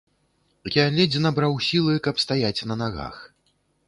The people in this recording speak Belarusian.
Я ледзь набраў сілы, каб стаяць на нагах.